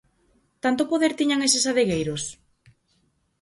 Tanto poder tiñan eses adegueiros?